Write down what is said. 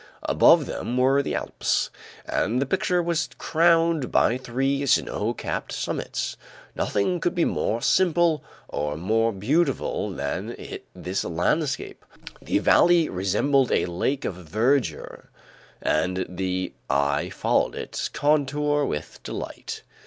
Above them were the Alps, and the picture was crowned by three snow capped summits. Nothing could be more simple or more beautiful than this landscape. The valley resembled a lake of verdure and the eye followed its contour with delight.